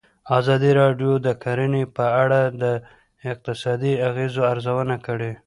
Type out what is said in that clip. ازادي راډیو د کرهنه په اړه د اقتصادي اغېزو ارزونه کړې.